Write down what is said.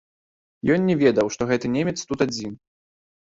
Ён не ведаў, што гэты немец тут адзін.